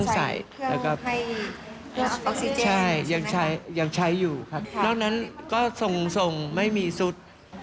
สำหรับใคร